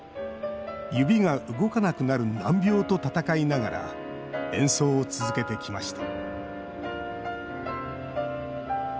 指が動かなくなる難病と闘いながら演奏を続けてきました。